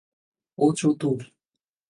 ও চতুর।